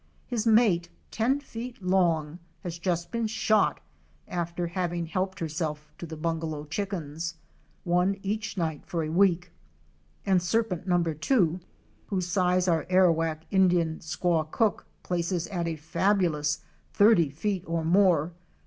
His mate, ten feet long, has just been shot after having helped herself to the bungalow chickens — one each night for a week, and serpent number two (whose size our Arrawak Indian squaw cook places at a fabulous thirty feet or more!)